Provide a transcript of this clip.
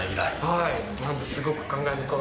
はい。